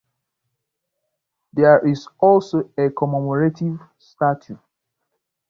There is also a commemorative statue.